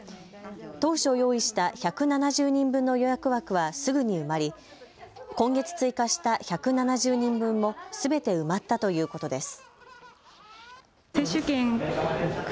当初、用意した１７０人分の予約枠はすぐに埋まり今月、追加した１７０人分もすべて埋まったということです。